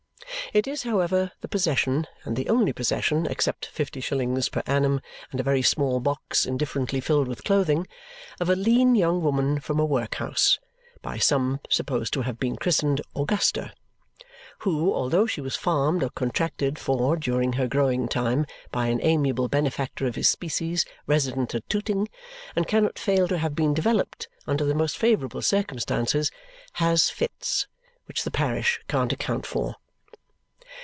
It is, however, the possession, and the only possession except fifty shillings per annum and a very small box indifferently filled with clothing, of a lean young woman from a workhouse (by some supposed to have been christened Augusta) who, although she was farmed or contracted for during her growing time by an amiable benefactor of his species resident at Tooting, and cannot fail to have been developed under the most favourable circumstances, "has fits," which the parish can't account for.